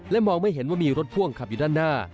มองไม่เห็นว่ามีรถพ่วงขับอยู่ด้านหน้า